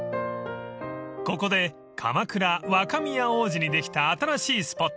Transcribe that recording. ［ここで鎌倉若宮大路にできた新しいスポット